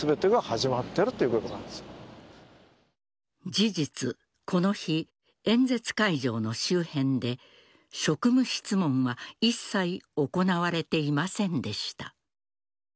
事実、この日演説会場の周辺で職務質問は一切行われていませんでした。